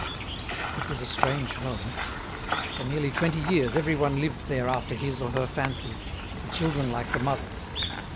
It was a strange home. For nearly twenty years everyone lived there after his or her fancy, the children like the mother.